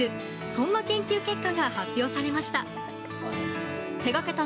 そんな研究結果が発表されました。